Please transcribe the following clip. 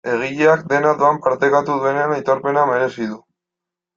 Egileak dena doan partekatu duenean aitorpena merezi du.